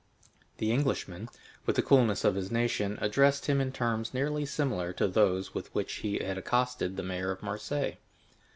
The Englishman, with the coolness of his nation, addressed him in terms nearly similar to those with which he had accosted the mayor of Marseilles.